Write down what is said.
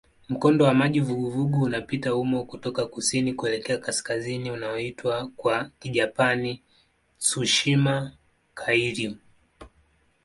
Mkondo wa maji vuguvugu unapita humo kutoka kusini kuelekea kaskazini unaoitwa kwa Kijapani "Tsushima-kairyū".